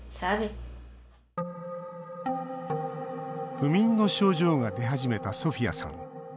不眠の症状が出始めたソフィアさん。